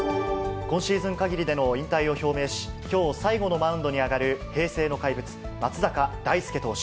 今シーズンかぎりでの引退を表明し、きょう最後のマウンドに上がる、平成の怪物、松坂大輔投手。